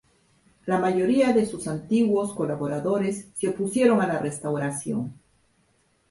La mayoría de sus antiguos colaboradores se opusieron a la restauración.